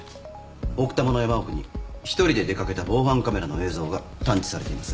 奥多摩の山奥に１人で出掛けた防犯カメラの映像が探知されています。